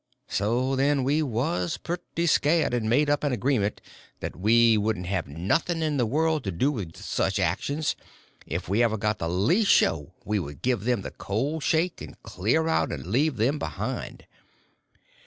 So then we was pretty scared, and made up an agreement that we wouldn't have nothing in the world to do with such actions, and if we ever got the least show we would give them the cold shake and clear out and leave them behind.